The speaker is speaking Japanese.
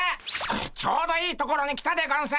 ちょうどいいところに来たでゴンス！